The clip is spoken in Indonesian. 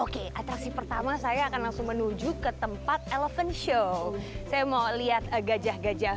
oke atraksi pertama saya akan langsung menuju ke tempat eleven show saya mau lihat gajah gajah